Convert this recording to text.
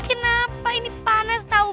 kenapa ini panas tau